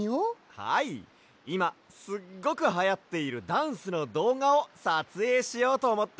はいいますっごくはやっているダンスのどうがをさつえいしようとおもって。